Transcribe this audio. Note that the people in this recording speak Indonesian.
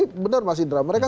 tapi benar mas idra